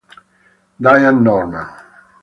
Dianne Norman